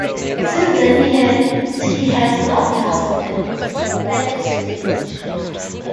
Since then he has not passed the third stage.